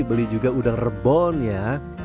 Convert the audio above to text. beli juga udang rebon ya